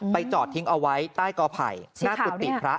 จอดทิ้งเอาไว้ใต้กอไผ่หน้ากุฏิพระ